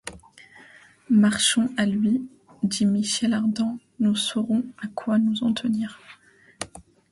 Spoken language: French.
Marchons à lui, dit Michel Ardan, nous saurons à quoi nous en tenir.